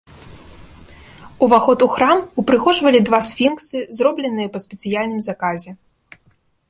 Уваход у храм упрыгожвалі два сфінксы, зробленыя па спецыяльным заказе.